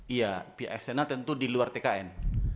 iya pihak sna tentu di luar tkn